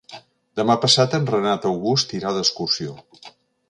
Demà passat en Renat August irà d'excursió.